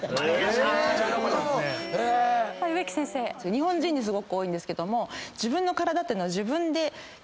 日本人にすごく多いんですけども。